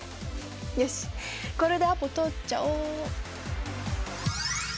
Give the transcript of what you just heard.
よしこれでアポ取っちゃおう。